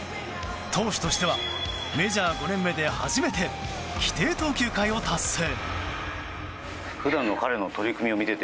投手としてはメジャー５年目で初めて規定投球回を達成。